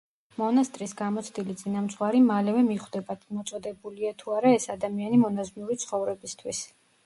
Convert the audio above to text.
მონასტრის გამოცდილი წინამძღვარი მალევე მიხვდება, მოწოდებულია თუ არა ეს ადამიანი მონაზვნური ცხოვრებისთვის.